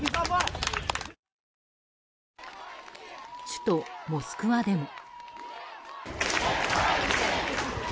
首都モスクワでも。